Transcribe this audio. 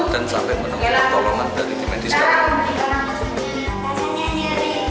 dan sampai menunggu pertolongan dari tim medis dalam